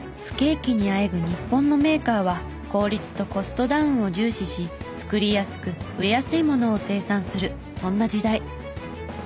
不景気にあえぐ日本のメーカーは効率とコストダウンを重視し作りやすく売れやすいものを生産するそんな時代。